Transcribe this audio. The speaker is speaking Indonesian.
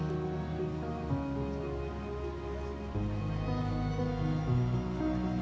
aku yakin orang orang ini karena malam kita pun seperti itu